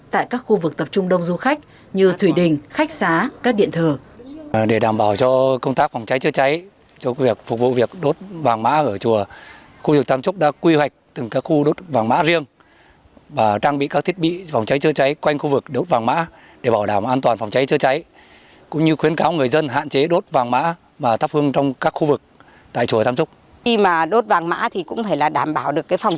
tại các khu vực tập trung đông du khách như thủy đình khách xá các điện thờ